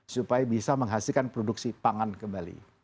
supaya bisa menghasilkan produksi pangan kembali